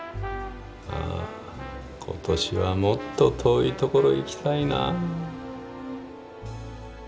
あ今年はもっと遠いところ行きたいな。